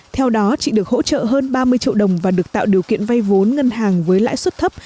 theo đó chị được hỗ trợ hơn ba mươi triệu đồng và được tạo điều kiện vay vốn ngân hàng với lãi suất thấp